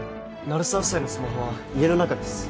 鳴沢夫妻のスマホは家の中です